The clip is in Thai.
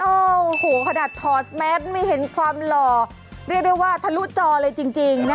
โอ้โหขนาดถอดแมสไม่เห็นความหล่อเรียกได้ว่าทะลุจอเลยจริงนะ